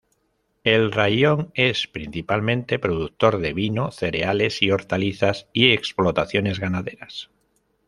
El raión es principalmente productor de vino, cereales y hortalizas y explotaciones ganaderas.